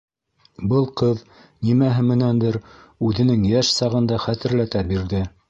Был ҡыҙ нимәһе менәндер үҙенең йәш сағын да хәтерләтә бирҙе.